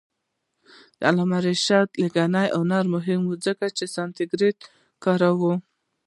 د علامه رشاد لیکنی هنر مهم دی ځکه چې سانسکریت کاروي.